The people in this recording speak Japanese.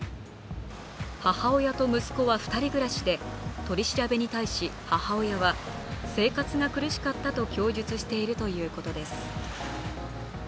母親と息子は２人暮らしで、取り調べに対し母親は生活が苦しかったと供述しているということです。